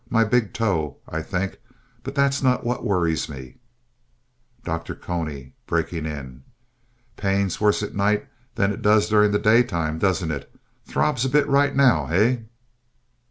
My big toe, I think, but that's not what worries me DR. CONY (breaking in) Pains worse at night than it does during the daytime, doesn't it? Throbs a bit right now, hey?